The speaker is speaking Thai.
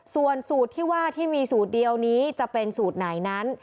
ส่วนสูตรที่ว่าที่มีสูตรเดียวนี้จะเป็นสูตรไหนนั้น